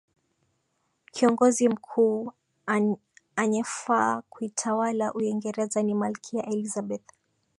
kiongozi mkuu anyefaa kuitawala uingereza ni malkia elizabeth